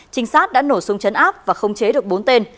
trinh sát đã nổ súng chấn áp và không chế được bốn tên